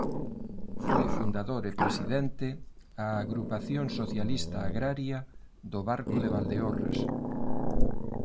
Foi fundador e presidente a Agrupación Socialista Agraria do Barco de Valdeorras.